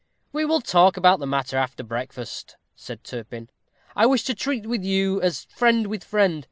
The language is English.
"We will talk about the matter after breakfast," said Turpin. "I wish to treat with you as friend with friend.